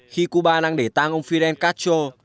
khi cuba đang để tang ông fidel castro